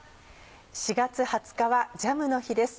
４月２０日はジャムの日です。